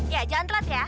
ya jangan telat ya